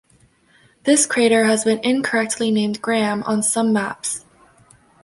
This crater has been incorrectly named 'Graham' on some maps.